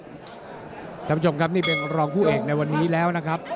คุณผู้ชมครับนี่เป็นรองผู้เอกในวันนี้แล้วนะครับ